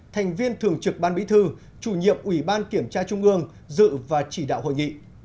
thành viên thường trực ban bí thư chủ nhiệm ủy ban kiểm tra trung ương dự và chỉ đạo hội nghị